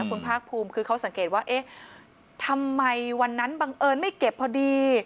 คุณภาคภูมิคือเขาสังเกตว่าเอ๊ะทำไมวันนั้นบังเอิญไม่เก็บพอดี